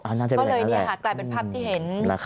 เพราะเลยเนี่ยกลายเป็นภาพที่เห็น